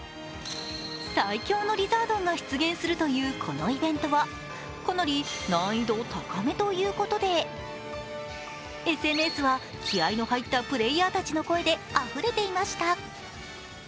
最強のリザードンが出現するというこのイベントはかなり難易度高めということでＳＮＳは、気合いの入ったプレーヤーたちの声であふれていました。